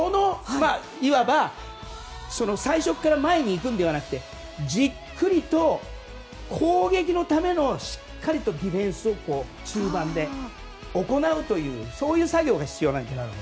いわば最初から前に行くのではなくてじっくりと、攻撃のためのしっかりとしたディフェンスを中盤で行うというそういう作業が必要なんじゃないかと。